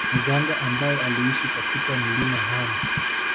Mganga ambaye aliishi katika mlima Hanah